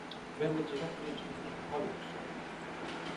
Venne girato in Egitto, a Luxor.